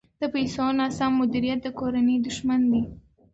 د پیسو ناسم مدیریت د کورنۍ دښمن دی.